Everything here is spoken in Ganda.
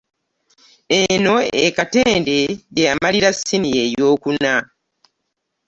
Eno e Katende gye yamalira ssiniya eyookuna.